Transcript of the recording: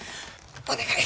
お願い。